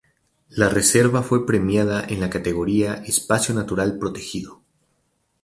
La reserva fue premiada en la categoría "Espacio Natural Protegido".